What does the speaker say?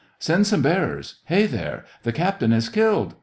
" Send some bearers ... hey there ... the captain is killed